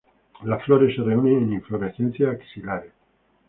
Las flores se reúnen en inflorescencias axilares.